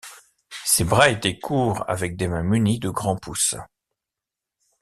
Ses bras étaient courts, avec des mains munies de grands pouces.